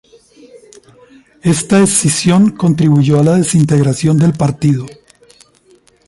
Esta escisión contribuyó a la desintegración del partido.